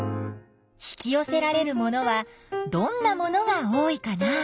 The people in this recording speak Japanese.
引きよせられるものはどんなものが多いかな？